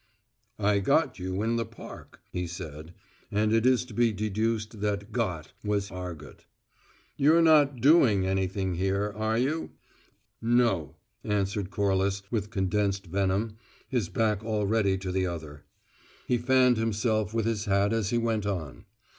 "I got you in the park," he said; and it is to be deduced that "got" was argot. "You're not doing anything here, are you?" "No!" answered Corliss with condensed venom, his back already to the other. He fanned himself with his hat as he went on.